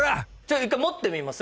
一回持ってみます？